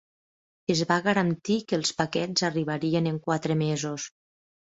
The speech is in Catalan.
Es va garantir que els paquets arribarien en quatre mesos.